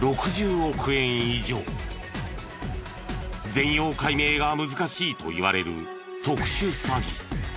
全容解明が難しいといわれる特殊詐欺。